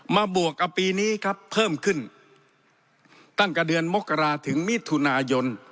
บวกกับปีนี้ครับเพิ่มขึ้นตั้งแต่เดือนมกราศถึงมิถุนายน